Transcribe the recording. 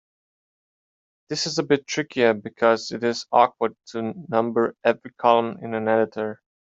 This is a bit trickier because it is awkward to number every column in an editor.